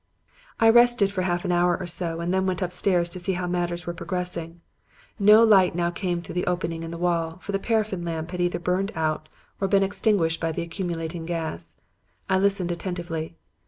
"I rested for half an hour or so and then went upstairs to see how matters were progressing. No light now came through the opening in the wall, for the paraffin lamp had either burned out or been extinguished by the accumulating gas. I listened attentively.